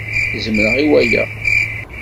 Zemreɣ i waya.